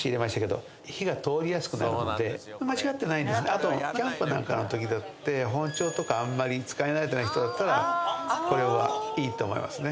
あとキャンプなんかの時だって包丁とかあんまり使えない時だったらこれはいいと思いますね。